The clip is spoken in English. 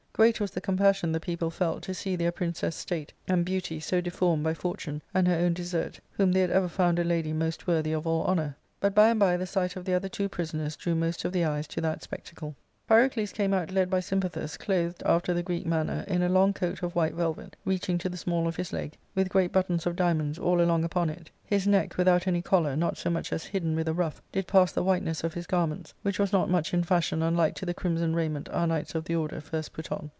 Great was the com passion the people felt to see their princess' atate and beauty so deformed by fortune and her own desert whom they had ever found a lady most worthy of all honour. But by and by the sight of the other two prisoners drew most of the eyes to that spectacle. 456 ARCADIA. ^Book K Pyrocles came out led by Sympathus, clothed, after the Greek manner, in a long coat of white velvet reaching to the small of his leg, with great buttons of diamonds all along upon it ; his neck, without any collar, not so much as hidden with a ruff, did pass the whiteness of his garments, which was not much in fashion unlike to the crimson raiment our knights of the Order* first put on.